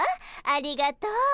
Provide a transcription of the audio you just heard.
ありがとう。